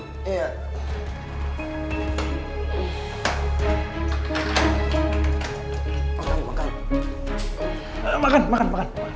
makan makan makan